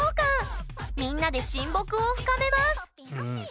みんなで親睦を深めます。